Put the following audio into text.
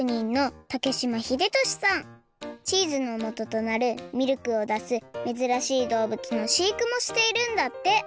チーズのもととなるミルクをだすめずらしいどうぶつのしいくもしているんだって。